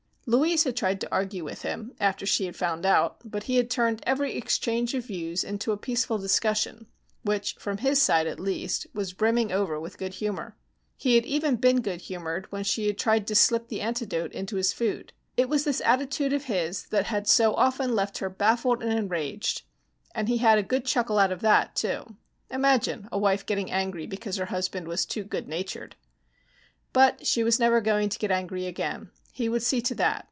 Louise had tried to argue with him after she had found out, but he had turned every exchange of views into a peaceful discussion, which from his side, at least, was brimming over with good humor. He had even been good humored when she tried to slip the antidote into his food. It was this attitude of his that had so often left her baffled and enraged, and he had a good chuckle out of that, too. Imagine a wife getting angry because her husband was too good natured. But she was never going to get angry again. He would see to that.